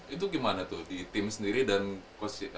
itu gimana tuh di tim sendiri dan